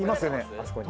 あそこに。